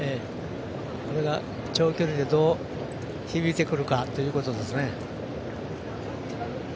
これが長距離でどう響いてくるかということですね。